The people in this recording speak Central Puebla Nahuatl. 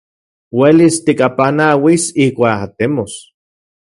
Uelis tikapanauis ijkuak atemos.